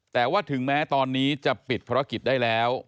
แต่ว่าถึงแม้ตอนนี้จะปิดภารกิจได้แล้ว